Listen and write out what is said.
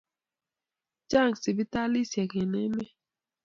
Chang sipitalishek en emet